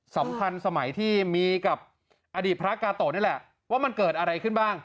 สำคัญสมัยที่มีกับอดีตพระกาโตะนี่แหละว่ามันเกิดอะไรขึ้นบ้าง